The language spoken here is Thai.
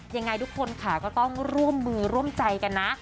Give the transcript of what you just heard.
ยังไงทุกคนค่ะก็ต้องร่วมมือร่วมใจกันนะ